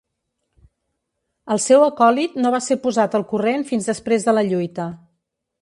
El seu acòlit no va ser posat al corrent fins després de la lluita.